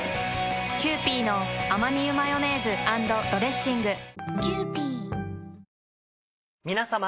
キユーピーのアマニ油マヨネーズ＆ドレッシング皆さま。